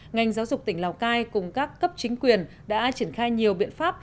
ngành giáo dục tỉnh lào cai cùng các cấp chính quyền đã triển khai nhiều biện pháp